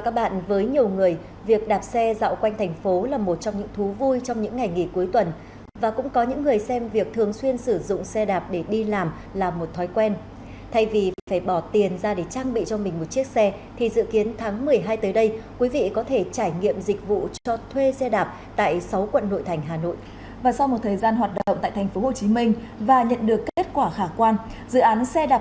các bạn hãy đăng ký kênh để ủng hộ kênh của chúng mình nhé